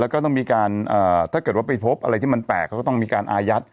ก็ต้องไปยินมันอายัด